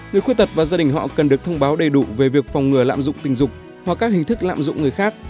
người khuyết tật và gia đình họ cần được thông báo đầy đủ về việc phòng ngừa lạm dụng tình dục hoặc các hình thức lạm dụng người khác